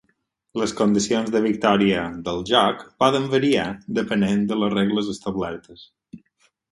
Les condicions de victòria del joc poden variar depenent de les regles establertes.